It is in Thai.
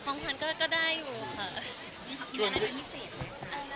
ของครั้งก็ได้อยู่ค่ะ